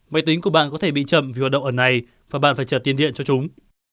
máy tính của bạn có thể bị chậm vì hoạt động ẩn này và bạn phải trả tiền điện cho chúng